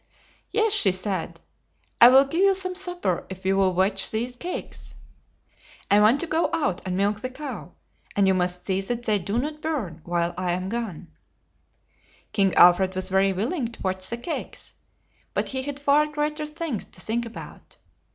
"Yes," she said, "I will give you some supper if you will watch these cakes. I want to go out and milk the cow; and you must see that they do not burn while I am gone." King Alfred was very willing to watch the cakes, but he had far greater things to think about.